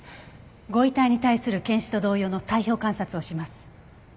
ご遺体に対する検視と同様の体表観察をします。